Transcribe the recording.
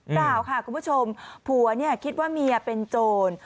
เปล่าค่ะคุณผู้ชมผัวเนี่ยคิดว่าเมียเป็นโจร